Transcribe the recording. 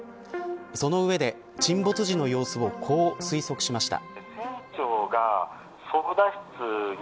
その上で、沈没時の様子をこう推測しました。